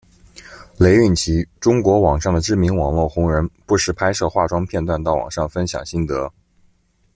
雷韵祺，中国网上的知名网络红人，不时拍摄化妆片段到网上分享心得。